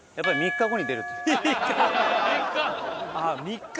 ３日？